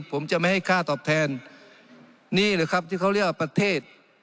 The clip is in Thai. ผมจะไม่ให้ค่าตอบแทนนี่หรือครับที่เขาเรียกว่าประเทศ